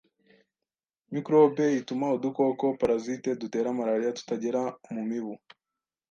microbe' ituma udukoko (parasites) dutera malaria tutagera mu mibu.